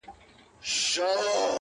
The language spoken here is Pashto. سر پر سر خوراک یې عقل ته تاوان دئ -